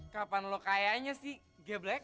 kapan lo kayanya sih geblek